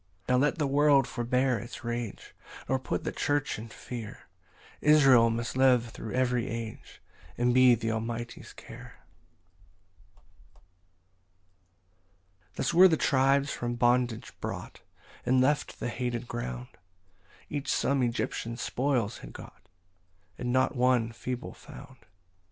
14 Now let the world forbear its rage, Nor put the church in fear; Israel must live thro' every age, And be th' Almighty's care. PAUSE II. 15 Thus were the tribes from bondage brought, And left the hated ground; Each some Egyptian spoils had got, And not one feeble found.